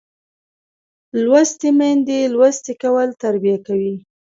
لوستې میندې لوستی کول تربیه کوي